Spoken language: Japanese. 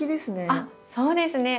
あっそうですね。